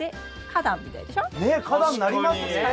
花壇になりますね。